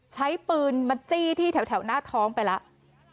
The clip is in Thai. ใช้ปืนมาจี้ที่แถวหน้าท้องไปแล้ว